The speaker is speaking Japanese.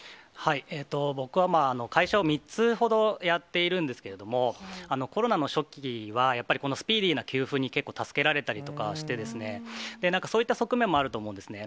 僕は会社を３つほどやっているんですけれども、コロナの初期は、やっぱりこのスピーディーな給付に結構助けられたりとかして、なんかそういった側面もあると思うんですね。